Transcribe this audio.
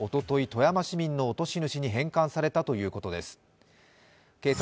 富山市民の落とし主に返還されたということです。